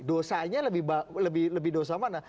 dosanya lebih dosa mana